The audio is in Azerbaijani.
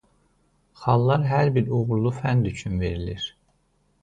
Xallar hər bir uğurlu fənd üçün verilir.